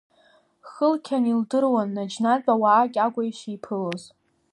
Хылқьан илдыруан наџьнатә ауаа Кьагәа ишиԥылоз.